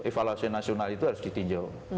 evaluasi nasional itu harus ditinjau